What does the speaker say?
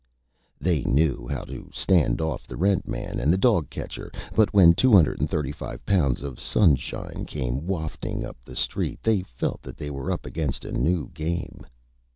They knew how to stand off the Rent Man and the Dog Catcher; but when 235 pounds of Sunshine came wafting up the Street, they felt that they were up against a New Game.